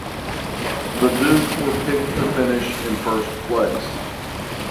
The Dukes were picked to finish in first place.